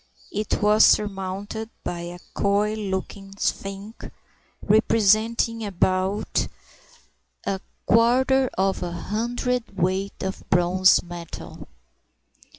It was surmounted by a coy looking sphinx, representing about a quarter of a hundredweight of bronze metal.